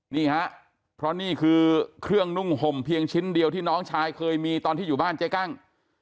นี่ฮะเพราะนี่คือเครื่องนุ่งห่มเพียงชิ้นเดียวที่น้องชายเคยมีตอนที่อยู่บ้านเจ๊กั้ง